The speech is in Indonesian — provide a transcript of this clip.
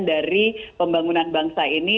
dari pembangunan bangsa ini